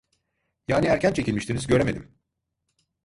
Yani erken çekilmiştiniz, göremedim…